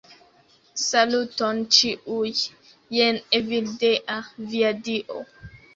Saluton ĉiuj, jen Evildea, via dio.